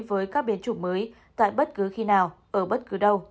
với các biến chủng mới tại bất cứ khi nào ở bất cứ đâu